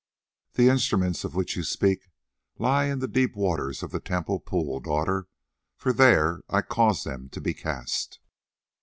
"The instruments of which you speak lie in the deep waters of the temple pool, daughter, for there I caused them to be cast."